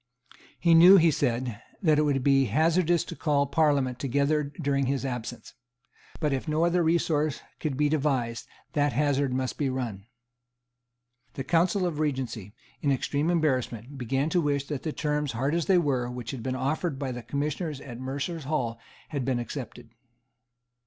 He knew, he said, that it would be hazardous to call Parliament together during his absence. But, if no other resource could be devised, that hazard must be run. The Council of Regency, in extreme embarrassment, began to wish that the terms, hard as they were, which had been offered by the Commissioners at Mercers' Hall had been accepted.